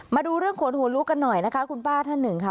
มาดูเรื่องขนหัวลุกกันหน่อยนะคะคุณป้าท่านหนึ่งค่ะ